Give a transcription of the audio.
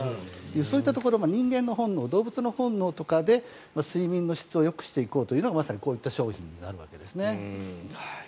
そういったところ人間の本能、動物の本能とかで睡眠の質をよくしていこうというのがまさにこういった商品になるわけですね。